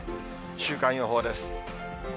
週間予報です。